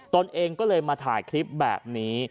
ตนเองก็เลยมาถ่ายคลิปแบบนี้